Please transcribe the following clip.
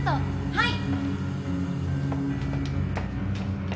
はい。